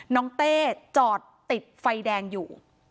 เต้จอดติดไฟแดงอยู่